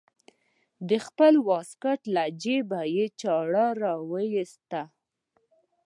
د خپل واسکټ له جيبه يې چاړه راوايسته.